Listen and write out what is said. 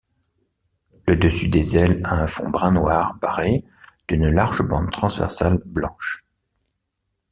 Le dessus des ailes a un fond brun-noir barré d'une large bande transversale blanche.